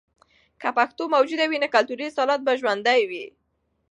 که پښتو موجوده وي، نو کلتوري اصالت به ژوندۍ وي.